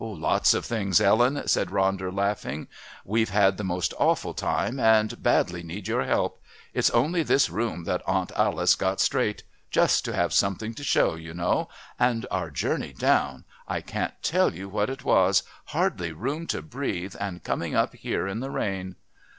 "Lots of things, Ellen," said Ronder, laughing. "We've had the most awful time and badly need your help. It's only this room that Aunt Alice got straight just to have something to show, you know. And our journey down! I can't tell you what it was, hardly room to breathe and coming up here in the rain!"